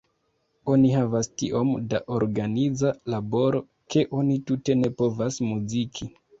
Oni havas tiom da organiza laboro, ke oni tute ne povas muziki.